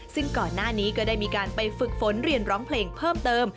ซึ่งก่อนหน้านี้ก็ได้มีการไปฝึกฝนเรียนร้องเพลงเพิ่มเติม